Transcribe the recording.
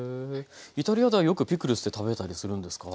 イタリアではよくピクルスって食べたりするんですか？